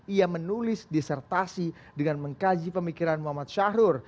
ia menulis disertasi dengan mengkaji pemikiran muhammad syahrul